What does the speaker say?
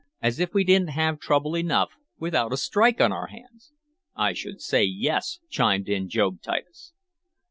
"As if we didn't have trouble enough without a strike on our hands!" "I should say yes!" chimed in Job Titus.